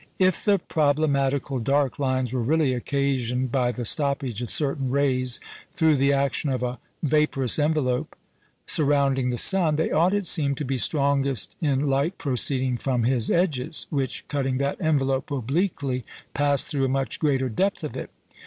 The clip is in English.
If the problematical dark lines were really occasioned by the stoppage of certain rays through the action of a vaporous envelope surrounding the sun, they ought, it seemed, to be strongest in light proceeding from his edges, which, cutting that envelope obliquely, passed through a much greater depth of it.